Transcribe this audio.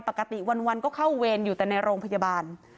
ปกติวันก็เข้าเวรอยู่แต่ในโรงพยาบาล